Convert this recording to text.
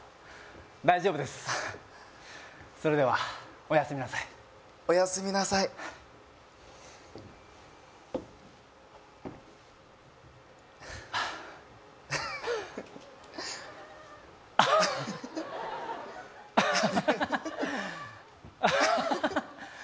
大丈夫ですそれではおやすみなさいおやすみなさいあはははは